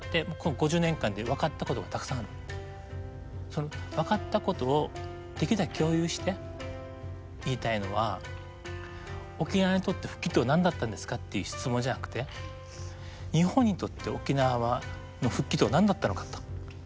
その分かったことをできるだけ共有して言いたいのは沖縄にとって復帰とは何だったんですかっていう質問じゃなくて日本にとって沖縄は復帰とは何だったのかと。